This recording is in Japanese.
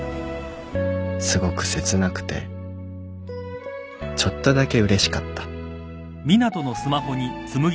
すごく切なくてちょっとだけうれしかった